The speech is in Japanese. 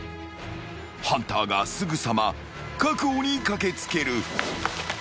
［ハンターがすぐさま確保に駆け付ける］